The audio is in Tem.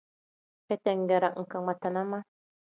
Ketengere nkangmatina ma.